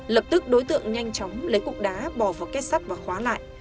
lập tức đối tượng nhanh chóng lấy cục đá bò vào kết sắt và khóa lại